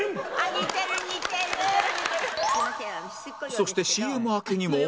そして ＣＭ 明けにも